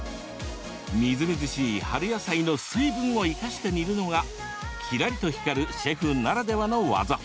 みずみずしい春野菜の水分を生かして煮るのがキラリと光るシェフならではの技。